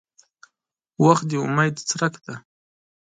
• وخت د امید څرک دی.